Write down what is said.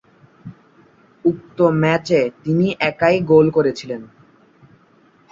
উক্ত ম্যাচে তিনি একটি গোল করেছিলেন।